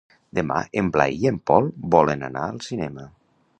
Demà en Blai i en Pol volen anar al cinema.